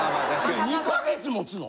２か月持つの？